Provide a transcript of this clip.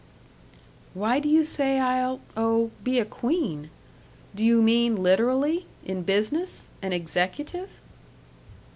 "Why do you say I'll oh, be a queen? Do you mean literally, in business, an executive?"